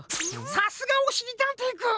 さすがおしりたんていくん！